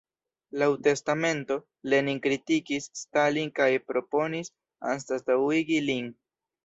Laŭ testamento, Lenin kritikis Stalin kaj proponis anstataŭigi lin.